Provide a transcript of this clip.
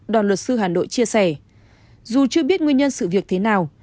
đoàn luật sư hà nội chia sẻ dù chưa biết nguyên nhân sự việc thế nào